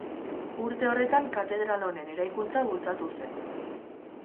Urte horretan katedral honen eraikuntza bultzatu zen.